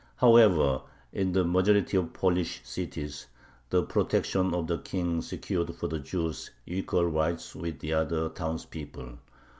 However, in the majority of Polish cities the protection of the King secured for the Jews equal rights with the other townspeople.